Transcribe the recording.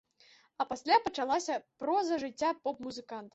А пасля пачалася проза жыцця поп-музыканта.